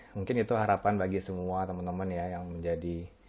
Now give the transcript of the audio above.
mungkin itu harapan bagi semua teman teman ya yang menjadi